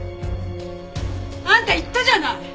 あんた言ったじゃない！